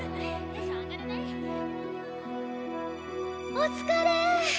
お疲れ。